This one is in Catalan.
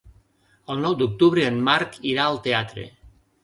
El nou d'octubre en Marc irà al teatre.